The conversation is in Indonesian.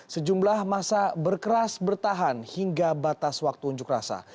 sejumlah masa berkeras bertahan hingga batas waktu unjuk rasa